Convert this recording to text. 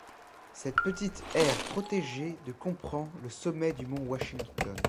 Cette petite aire protégée de comprend le sommet du mont Washington.